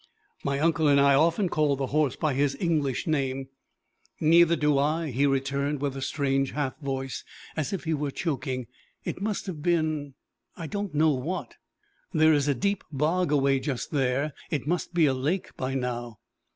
My uncle and I often called the horse by his English name. "Neither do I," he returned, with a strange half voice, as if he were choking. "It must have been I don't know what. There is a deep bog away just there. It must be a lake by now!"